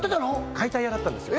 解体屋だったんですよ